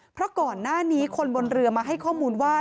เพราะก่อนหน้านี้คนบนเรือมาให้ข้อมูลว่า